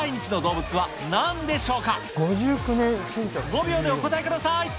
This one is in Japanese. ５秒でお答えください。